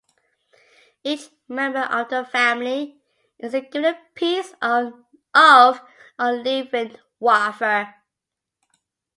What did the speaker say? Each member of the family is given a piece of unleavened wafer.